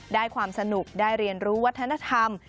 ได้ความสนุกได้เรียนรู้วัฒนธรรม